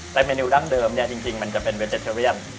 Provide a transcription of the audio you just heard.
แต่เมนูดั้งเดิมเนี่ยจริงมันจะเป็นเบเจคเทอเรียม